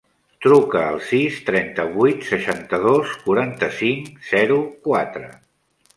Truca al sis, trenta-vuit, seixanta-dos, quaranta-cinc, zero, quatre.